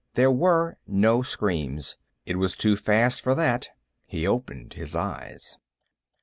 There were no screams. It was too fast for that. He opened his eyes.